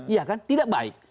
iya kan tidak baik